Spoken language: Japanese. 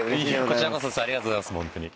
こちらこそですありがとうございますホントに。